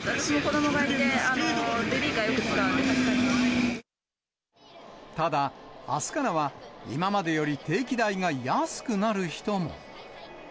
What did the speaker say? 私も子どもがいて、ベビーカただ、あすからは今までより定期代が安くなる人も。